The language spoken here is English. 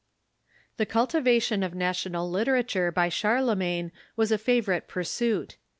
Tlie cultivation of national literature by Charlemagne was a favorite pursuit.